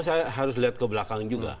saya harus lihat ke belakang juga